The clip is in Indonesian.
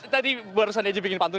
tadi barusan eji bikin pantun